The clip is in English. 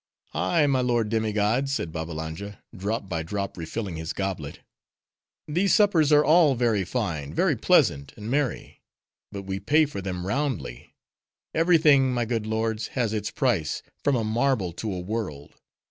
"Ay, my lord demi gods," said Babbalanja, drop by drop refilling his goblet. "These suppers are all very fine, very pleasant, and merry. But we pay for them roundly. Every thing, my good lords, has its price, from a marble to a world.